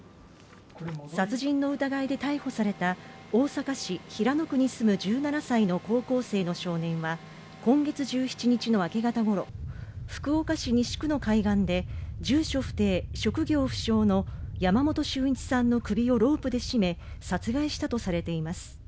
殺人の疑いで逮捕された大阪市平野区に住む１７歳の高校生の少年は、今月１７日の明け方ごろ、福岡市西区の海岸で住所不定・職業不詳の山本駿一さんの首をロープで絞め、殺害したとされています。